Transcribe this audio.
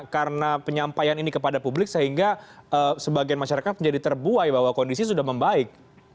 karena penyampaian ini kepada publik sehingga sebagian masyarakat menjadi terbuai bahwa kondisi sudah membaik